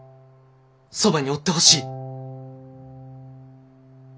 そばにおってほしい。